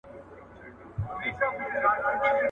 خبري د کتاب ښې دي.